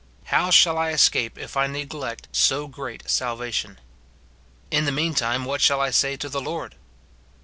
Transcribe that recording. How shall I escape if I neglect so great salvation ? In the meantime, what shall I say to the Lord